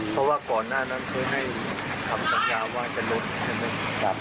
เพราะว่าก่อนหน้านั้นเคยให้คำสัญญาว่าจะลดกลับ